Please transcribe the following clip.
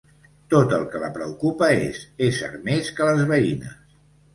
Tot el que la preocupa és ésser més que les veïnes.